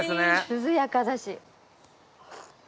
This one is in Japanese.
涼やかだし。